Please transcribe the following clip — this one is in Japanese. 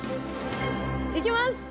いきます！